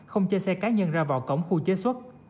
không cho xe cá nhân ra vào cổng khu chế xuất